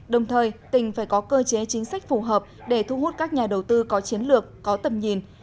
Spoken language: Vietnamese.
đồng thời tỉnh phải có cơ chế chính sách phù hợp để thu hút các nhà đầu tư có chiến lược có tầm nhìn